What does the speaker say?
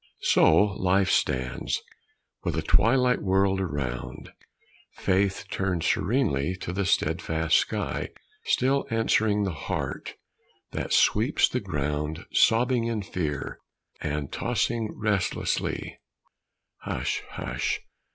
So Life stands, with a twilight world around; Faith turned serenely to the steadfast sky, Still answering the heart that sweeps the ground Sobbing in fear, and tossing restlessly "Hush, hush!